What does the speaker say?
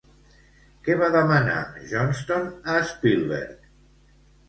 Què va demanar Johnston a Spielberg?